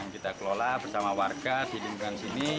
kita kelola bersama warga di lingkungan sini